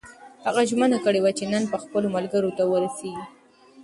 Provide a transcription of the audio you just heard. هغه ژمنه کړې وه چې نن به خپلو ملګرو ته ورسېږي.